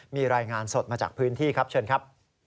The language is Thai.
มีรายงานสดมาจากพื้นที่ครับเชิญครับ